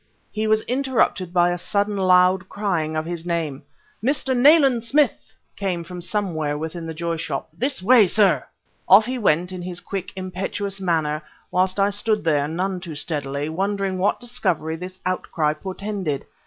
He was interrupted by a sudden loud crying of his name. "Mr. Nayland Smith!" came from somewhere within the Joy Shop. "This way, sir!" Off he went, in his quick, impetuous manner, whilst I stood there, none too steadily, wondering what discovery this outcry portended.